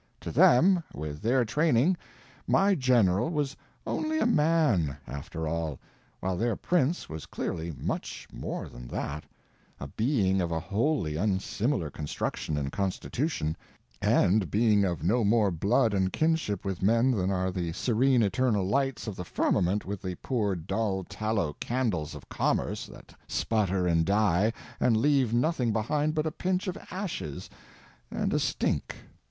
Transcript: To them, with their training, my General was only a man, after all, while their Prince was clearly much more than that—a being of a wholly unsimilar construction and constitution, and being of no more blood and kinship with men than are the serene eternal lights of the firmament with the poor dull tallow candles of commerce that sputter and die and leave nothing behind but a pinch of ashes and a stink.